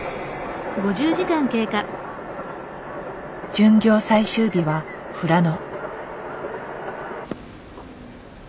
巡業最終日は富良野。